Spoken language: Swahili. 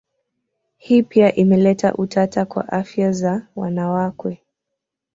Hii pia imeleta utata kwa afya za wanawakwe